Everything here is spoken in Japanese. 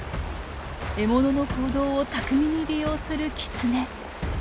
獲物の行動を巧みに利用するキツネ。